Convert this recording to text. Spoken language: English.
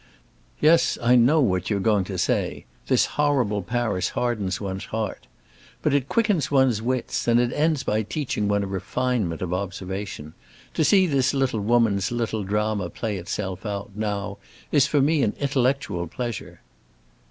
Yes, I know what you are going to say: this horrible Paris hardens one's heart. But it quickens one's wits, and it ends by teaching one a refinement of observation! To see this little woman's little drama play itself out, now, is, for me, an intellectual pleasure."